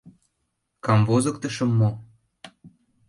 Камвозыктышым мо?..